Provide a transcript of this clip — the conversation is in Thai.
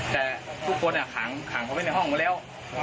แต่ทุกคนอะข่างเขาไปในห้องไปแล้ว